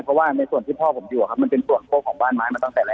เพราะว่าในส่วนที่พ่อผมอยู่มันเป็นส่วนโคกของบ้านไม้มาตั้งแต่แรก